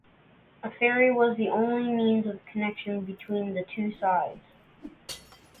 A ferry was the only means of connection between the two sides.